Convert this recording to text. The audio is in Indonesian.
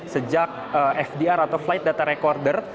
sejak fdr atau flight data recorder